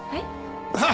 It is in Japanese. はい？